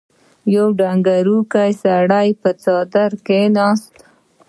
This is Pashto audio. يو ډنګر سړی پر څادر کېناست.